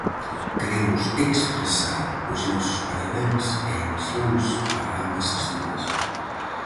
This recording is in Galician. Queremos expresar os nosos parabéns e emocións para ambas as dúas.